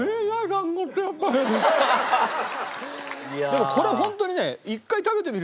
でもこれホントにね。